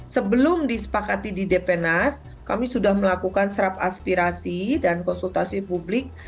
sebelum disepakati di dpnas kami sudah melakukan serap aspirasi dan konsultasi publik